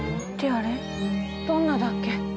あれどんなだっけ？